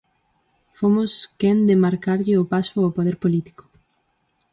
Fomos quen de marcarlle o paso ao poder político.